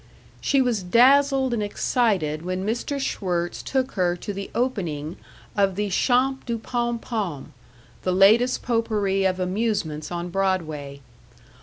She was dazzled and excited when Mr. Schwirtz took her to the opening of the Champs du Pom Pom, the latest potpourri of amusements on Broadway.